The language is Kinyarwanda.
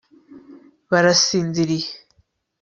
barasinziriye